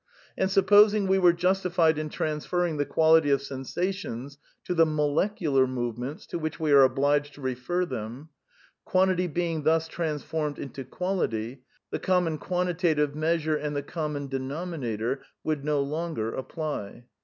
And supposing we were justified in transferring the quality of sensations to the molecular movements to which we are obliged to refer ihem, quantity being thus trans formed into quality, the common quantitative measure and the common denominator would no longer apply.